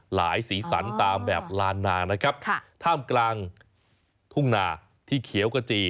หลายสีสันตามแบบลานนาท่ามกลางทุ่งหนาที่เขียวกระจี